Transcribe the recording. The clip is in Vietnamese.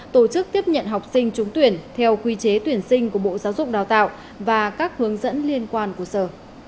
tổ chức tiếp nhận học sinh trúng tuyển theo quy chế tuyển sinh của bộ giáo dục đào tạo và các hướng dẫn liên quan của sở